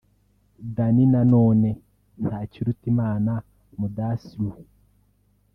Danny Nanone (Ntakirutimana Mudaslu)